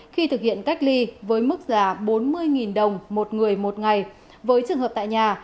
khi thực hiện cách ly với mức giá bốn mươi đồng một người một ngày với trường hợp tại nhà